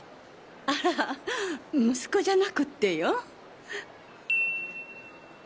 あら息子じゃなくってよ。